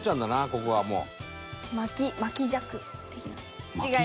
ここはもう。